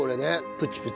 プチプチ。